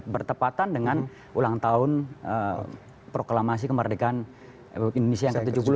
bertepatan dengan ulang tahun proklamasi kemerdekaan indonesia yang ke tujuh puluh lima